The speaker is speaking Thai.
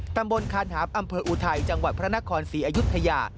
ตำบลคานหามอำเภออุทัยจังหวัดพระนครศรีอยุธยา